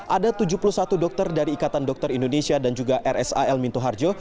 ada tujuh puluh satu dokter dari ikatan dokter indonesia dan juga rsal minto harjo